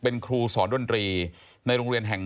เป็นครูสอนดนตรีในโรงเรียนแห่ง๑